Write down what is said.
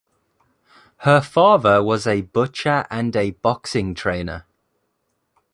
Her father was a butcher and a boxing trainer.